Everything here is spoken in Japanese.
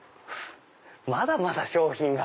まだまだ商品が。